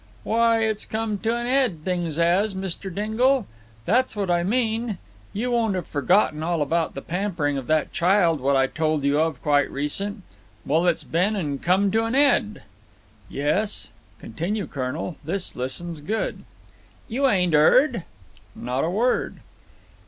"Why, it's come to an 'ead, things has, Mr. Dingle. That's what I mean. You won't have forgotten all about the pampering of that child what I told you of quite recent. Well, it's been and come to an 'ead." "Yes? Continue, colonel. This listens good." "You ain't 'eard?" "Not a word."